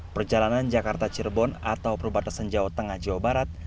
perjalanan jakarta cirebon atau perbatasan jawa tengah jawa barat